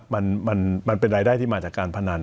มันเป็นรายได้ที่มาจากการพนัน